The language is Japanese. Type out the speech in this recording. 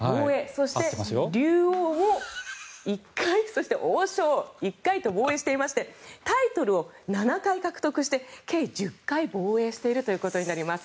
そして、竜王も１回そして王将、１回と防衛していましてタイトルを７回獲得して計１０回防衛していることになります。